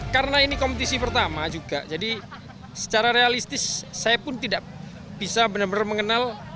karena ini kompetisi pertama juga jadi secara realistis saya pun tidak bisa benar benar mengenal